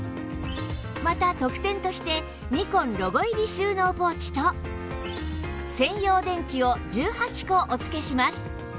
また特典としてニコンロゴ入り収納ポーチと専用電池を１８個お付けします